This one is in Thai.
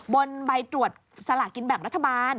บนใบตรวจสลากินแบ่งรัฐบาล